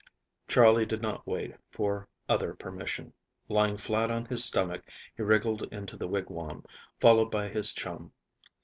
Charley did not wait for other permission. Lying flat on his stomach, he wriggled into the wigwam, followed by his chum.